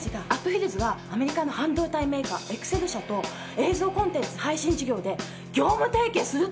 ヒルズはアメリカの半導体メーカーエクセル社と映像コンテンツ配信事業で業務提携するっていうんです。